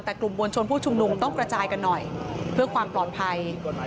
แต่กลุ่มมวลชนผู้ชุมนุมต้องกระจายกันหน่อยเพื่อความปลอดภัย